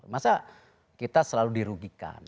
masa kita selalu dirugikan